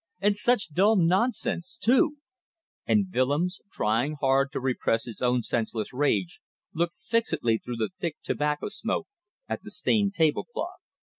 And such dull nonsense too! And Willems, trying hard to repress his own senseless rage, looked fixedly through the thick tobacco smoke at the stained tablecloth.